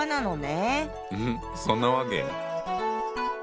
うんそんなわけ！